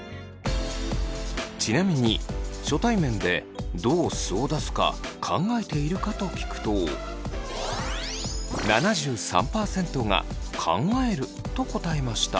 ちなみに「初対面でどう素を出すか考えているか？」と聞くと７３％が「考える」と答えました。